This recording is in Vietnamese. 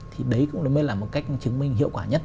thì đấy cũng mới là một cách chứng minh hiệu quả nhất